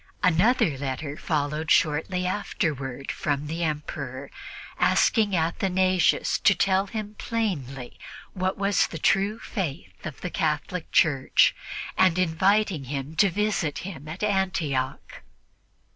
Another letter followed shortly afterward from the Emperor, asking Athanasius to tell him plainly what was the true faith of the Catholic Church and inviting him to visit him at Antioch.